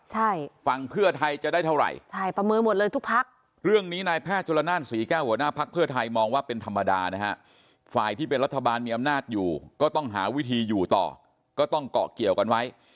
ใช่ฝั่งเพื่อไทยจะได้เท่าไหร่ใช่ประเมินหมดเลยทุกพักเรื่องนี้นายแพทย์จุลนานศรีแก้วหัวหน้าพักเพื่อไทยมองว่าเป็นธรรมดานะฮะฝ่ายที่เป็นรัฐบาลมีอำนาจอยู่ก็ต้องหาวิธีอยู่ต่อก็ต้องเกาะเกี่ยวกันไว้